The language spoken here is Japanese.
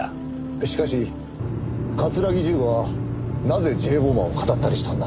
しかし桂木重吾はなぜＪ・ボマーを騙ったりしたんだ？